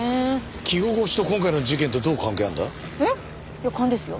いや勘ですよ。